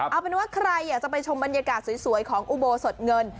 เอาเป็นว่าใครอยากจะไปชมบรรยากาศสวยของอุโบสดเงิน